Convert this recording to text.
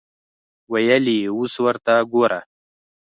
ویل یې اوس ورته ګوره.